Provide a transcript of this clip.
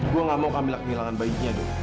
gue gak mau kamila kehilangan bayinya do